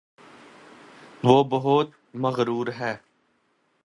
وہ بہت مغرور ہےـ